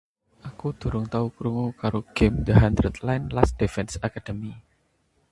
"Aku durung tau krungu karo gem ""The Hundred Line -Last Defense Academy-."""